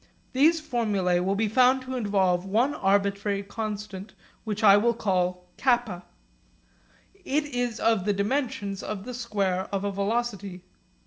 These formulae will be found to involve one arbitrary constant which I will call k. It is of the dimensions of the square of a velocity.